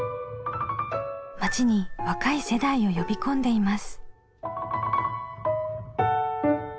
町に若い世代を呼び込んでいます。